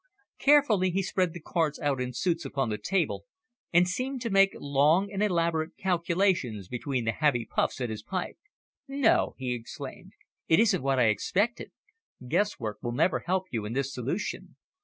Carefully he spread the cards out in suits upon the table, and seemed to make long and elaborate calculations between the heavy puffs at his pipe. "No!" he exclaimed. "It isn't what I expected. Guess work will never help you in this solution.